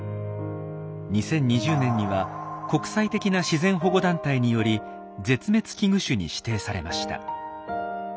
２０２０年には国際的な自然保護団体により絶滅危惧種に指定されました。